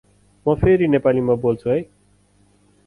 म फेरि नेपालीमा बोल्छु है ।